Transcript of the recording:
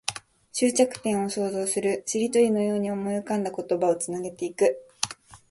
終着点を想像する。しりとりのように思い浮かんだ言葉をつなげていく。